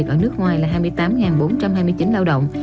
ở nước ngoài là hai mươi tám bốn trăm hai mươi chín lao động